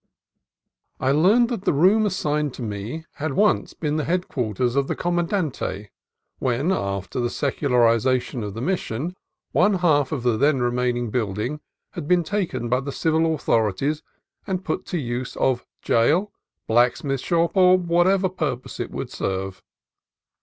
I learned that the room assigned to me had once been the quarters of the comandante, when, after the secularization of the Mission, one half of the then remaining building had been taken by the civil authorities and put to the use of jail, black mith shop, or whatever other purpose it would serve.